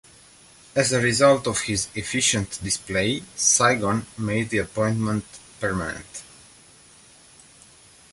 As a result of his efficient display, Saigon made the appointment permanent.